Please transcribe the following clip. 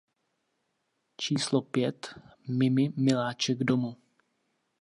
Číslo pět: Mimi, miláček domu.